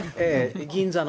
銀座の。